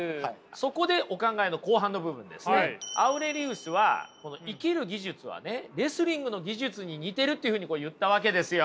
そこでお考えの後半の部分ですねアウレリウスは生きる技術はレスリングの技術に似ているっていうふうに言ったわけですよ。